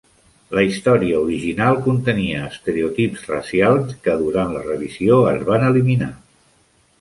La història original contenia estereotips racials que durant la revisió es van eliminar.